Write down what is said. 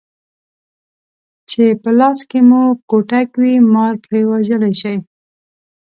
چې په لاس کې مو کوتک وي مار پرې وژلی شئ.